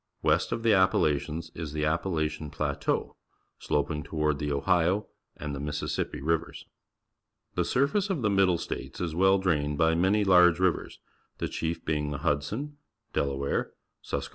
West of the Appa lachians is the^Ap palachian Plateau, sloping toward the Ohio Map showin: and the Mississippi Rivers. The surface of the Middle States is well drahied by many large ri\'ers, the chief being the Hudson. Delaware , ^iisqii.e.